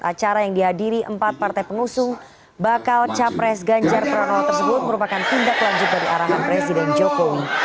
acara yang dihadiri empat partai pengusung bakal capres ganjar pranowo tersebut merupakan tindak lanjut dari arahan presiden jokowi